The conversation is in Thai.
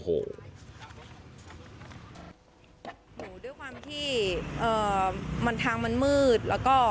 โอ้โหด้วยความที่มันทางมันมืดแล้วก็